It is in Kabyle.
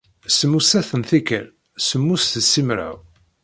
Semmuset n tikkal semmus d simraw.